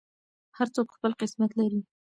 هر څوک خپل قسمت لري.